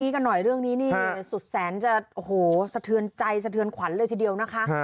กันหน่อยเรื่องนี้นี่สุดแสนจะโอ้โหสะเทือนใจสะเทือนขวัญเลยทีเดียวนะคะ